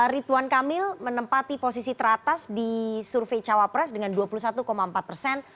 rituan kamil menempati posisi teratas di survei cawapres dengan dua puluh satu empat persen